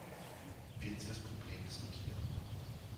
Wird sie das Problem diskutieren?